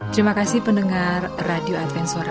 terima kasih pendengar radio advensor